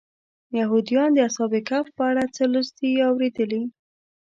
یهودیان د اصحاب کهف په اړه څه لوستي یا اورېدلي.